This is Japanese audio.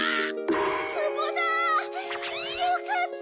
つぼだよかった！